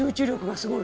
すごい。